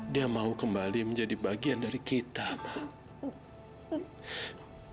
dia mau kembali menjadi bagian dari kita pak